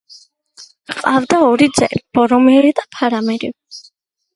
ჰყავდა ორი ძე, ბორომირი და ფარამირი.